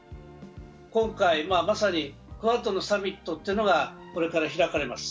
今回、まさにクアッドのサミットというのがこれから開かれます。